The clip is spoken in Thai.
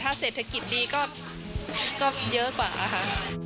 ถ้าเศรษฐกิจดีก็เยอะกว่าค่ะ